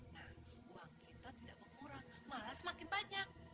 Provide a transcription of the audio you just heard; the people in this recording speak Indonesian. nah buang kita tidak memurah malah semakin banyak